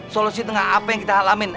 solusi tengah apa yang kita alamin